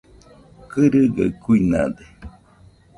Kɨrɨgaɨ kuinade.